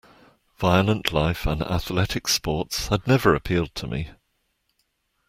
Violent life and athletic sports had never appealed to me.